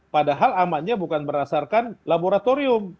padahal amannya bukan berdasarkan laboratorium